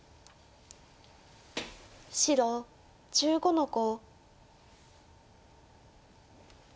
白１５の五。